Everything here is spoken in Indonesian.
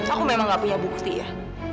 aku memang gak punya bukti ya